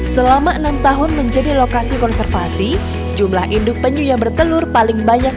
selama enam tahun menjadi lokasi konservasi jumlah induk penyu yang bertelur paling banyak